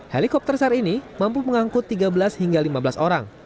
helikopter sar ini mampu mengangkut tiga belas hingga lima belas orang